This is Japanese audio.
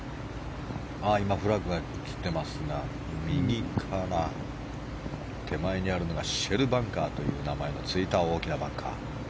フラッグが映ってましたが左にあるのがシェルバンカーという名のついた大きなバンカー。